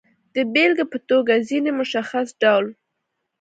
د بېلګې په توګه، ځینې مشخص ډول